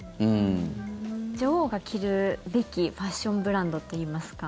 女王が着るべきファッションブランドっていいますか